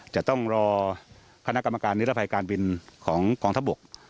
จะต้องรอคณะกรรมการนิรภัยการบินของกองทัพบก